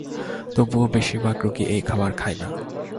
তবু বেশির ভাগ রোগী এই খাবার খায় না।